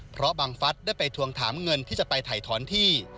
เพราะบังฟัสได้ไปทวงถามเงินที่จะไปถ่ายถอนที่